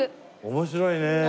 面白いね。